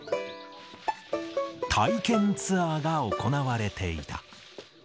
体験ツアーが行われていた。